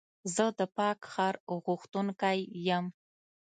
زه د پاک ښار غوښتونکی یم.